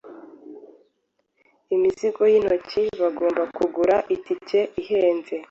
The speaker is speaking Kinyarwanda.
imizigo yintoki bagomba kugura itike ihenze